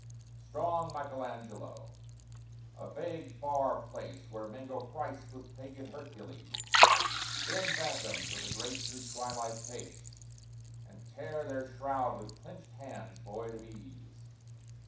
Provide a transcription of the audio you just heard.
Strong MICHELANGELO, a vague far place Where mingle Christs with pagan Hercules; Thin phantoms of the great through twilight pace, And tear their shroud with clenched hands void of ease.